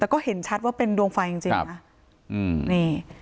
แต่ก็เห็นชัดว่าเป็นดวงไฟจริงจริงนะอืมนี่